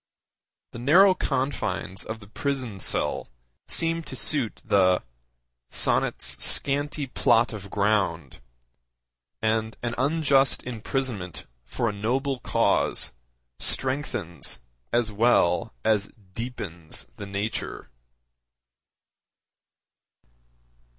The narrow confines of the prison cell seem to suit the 'sonnet's scanty plot of ground,' and an unjust imprisonment for a noble cause strengthens as well as deepens the nature.